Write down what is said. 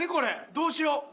どうしよう。